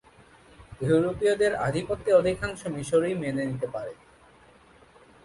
ইউরোপীয়দের আধিপত্য অধিকাংশ মিশরীয় মেনে নিতে পারেনি।